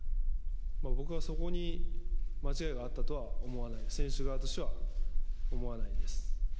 僕はそこに間違いがあったとは思わない、選手側としては思わないです。